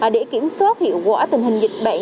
để kiểm soát hiệu quả tình hình dịch bệnh